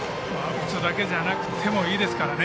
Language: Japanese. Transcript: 打つだけでなくてもいいですからね。